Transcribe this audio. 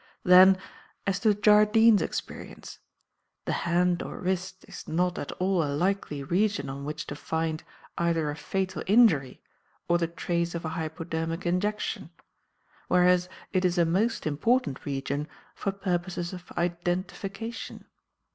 Then, as to Jardine's experience. The hand or wrist is not at all a likely region on which to find either a fatal injury or the trace of a hypodermic injection; whereas it is a most important region for purposes of identification.